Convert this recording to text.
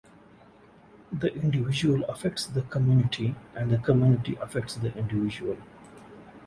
The individual affects the community and the community affects the individual.